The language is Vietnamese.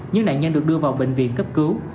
những nạn nhân được đưa vào bệnh viện cấp cứu